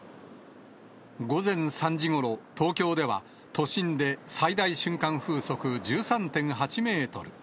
午前３時ごろ、東京では、都心で最大瞬間風速１３．８メートル。